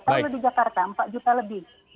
kalau di jakarta empat juta lebih